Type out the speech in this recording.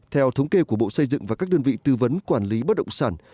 theo thống kê của bộ xây dựng và các đơn vị tư vấn quản lý bất động sản